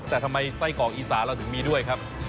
แต่ทำไมไส้กรอกอีสานเราถึงมีด้วยครับ